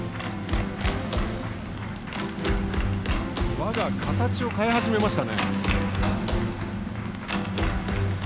輪が形を変え始めました。